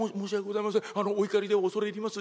お怒りで恐れ入ります。